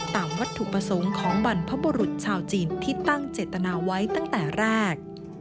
ตามวัตถุประสงค์ของบรรพบุรุษชาวจีนที่ตั้งเจตนาไว้ตั้งแต่แรก